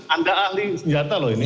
anda ahli senjata loh ini